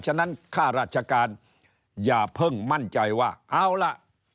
ฉะนั้นค่าราชการอย่าเพิ่งมั่นใจว่าเอาล่ะ